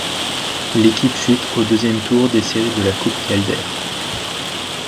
L'équipe chute au deuxième tour des séries de la Coupe Calder.